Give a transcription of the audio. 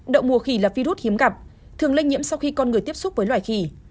đầu mùa khỉ là virus hiếm gặp thường lên nhiễm sau khi con người tiếp xúc với loài khỉ